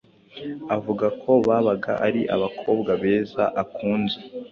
Avuga ko babaga ari abakobwa beza akunze,